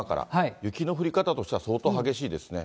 雪の降り方としては相当激しいですね。